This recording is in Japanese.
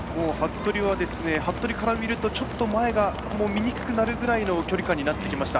服部から見ると前が見にくくなるぐらいの距離感になってきました。